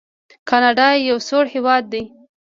کاناډا یو سوړ هیواد دی.